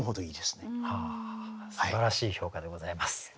すばらしい評価でございます。